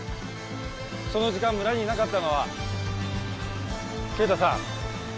その時間村にいなかったのは敬太さん